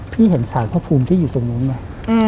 พี่เห็นสารพระภูมิที่อยู่ตรงนู้นไหม